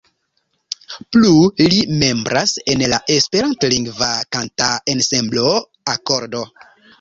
Plu li membras en la esperantlingva kanta ensemblo Akordo.